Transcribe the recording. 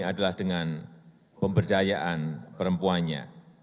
adalah dengan pemberdayaan perempuannya